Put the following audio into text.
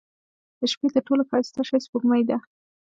• د شپې تر ټولو ښایسته شی سپوږمۍ ده.